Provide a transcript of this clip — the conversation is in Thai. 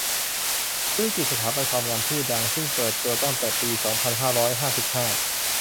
ธุรกิจสถาบันความงามชื่อดัง ซึ่งเปิดตัวตั้งแต่ปี สองพันห้าร้อยห้าสิบห้า